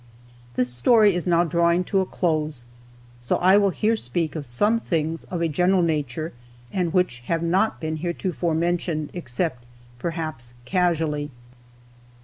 This story is now drawing to a close, so I will here speak of some things of a general nature, and which have not been heretofore mentioned, except perhaps casually.